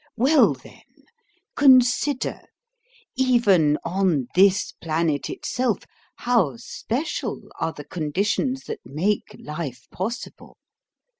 Well, then, consider, even on this planet itself, how special are the conditions that make life possible.